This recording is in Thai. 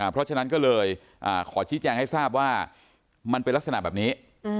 เพราะฉะนั้นก็เลยขอชี้แจงให้ทราบว่ามันเป็นลักษณะแบบนี้